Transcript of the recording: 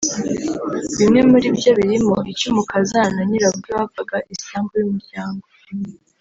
Bimwe muri byo birimo icy’umukazana na nyirabukwe bapfaga isambu y’umuryango